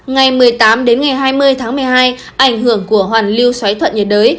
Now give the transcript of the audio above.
ngày một mươi tám hai mươi tháng một mươi hai ảnh hưởng của hoàn lưu xoáy thuận nhiệt đới